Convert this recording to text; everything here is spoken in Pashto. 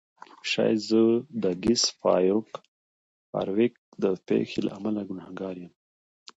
شاید زه د ګس فارویک د پیښې له امله ګناهګار یم